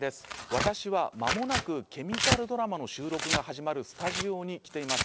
私は間もなくケミカルドラマの収録が始まるスタジオに来ています。